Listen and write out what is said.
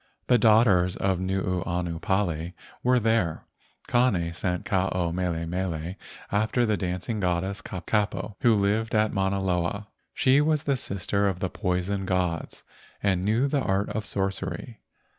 The daughters of Nuuanu Pali were there. Kane sent Ke ao mele mele after the dancing goddess, Kapo, who lived at Mauna Loa. She was the sister of the poison gods and knew the art of sorcery.